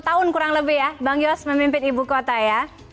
dua puluh tahun kurang lebih ya bang yos memimpin ibu kota ya